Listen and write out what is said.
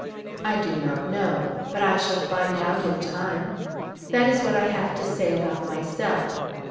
"I do not know; but I shall find out in time. That is what I have to say about myself.